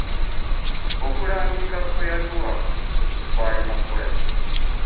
Okulambika kwe yatuwa kwali makula.